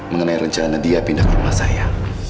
mengenai rencana dia pindah ke rumah saya